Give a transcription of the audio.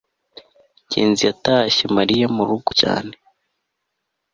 ngenzi yatashye mariya murugo cyane